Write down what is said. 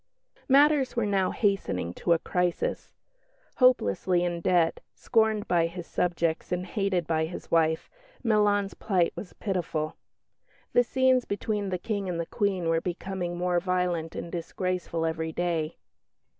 Matters were now hastening to a crisis. Hopelessly in debt, scorned by his subjects, and hated by his wife, Milan's plight was pitiful. The scenes between the King and the Queen were becoming more violent and disgraceful every day.